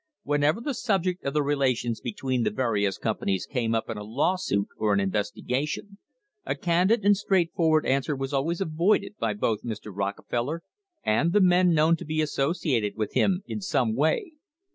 Whenever the subject of the relations between the various companies came up in a lawsuit or an investigation, a candid and straightforward answer was always avoided by both Mr. Rockefeller and the men known to be associated with him in some way.